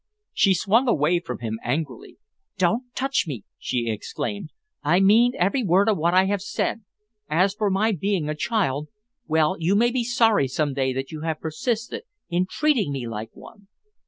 She swung away from him angrily. "Don't touch me!" she exclaimed. "I mean every word of what I have said. As for my being a child well, you may be sorry some day that you have persisted in treating me like one."